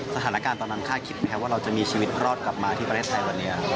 สถานการณ์ตอนนั้นคาดคิดไหมครับว่าเราจะมีชีวิตรอดกลับมาที่ประเทศไทยวันนี้